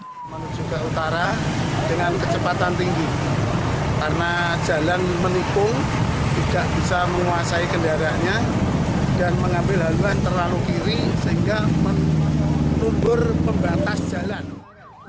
saya menuju ke utara dengan kecepatan tinggi karena jalan menipu tidak bisa menguasai kendaraannya dan mengambil haluan terlalu kiri sehingga mengubur pembatas jalan